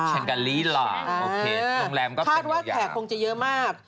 แช่งกาลีล่าเพศโรงแรมก็เป็นอยู่อย่างภาคว่าแขกคงจะเยอะมาก